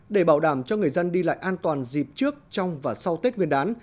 để bảo đảm cho người dân đi lại an toàn dịp trước trong và sau tết nguyên đán